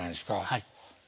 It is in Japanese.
はい。